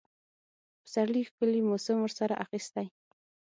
د پسرلي ښکلي موسم ورسره اخیستی.